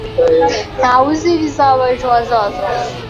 Ntawe uzi ibizaba ejo hazaza